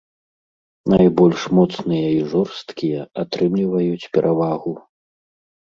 Найбольш моцныя і жорсткія атрымліваюць перавагу.